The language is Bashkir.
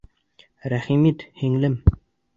Рәхим ит, һеңлем!